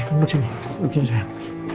kamu duduk sini sayang